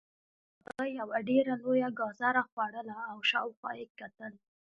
هغه یوه ډیره لویه ګازره خوړله او شاوخوا یې کتل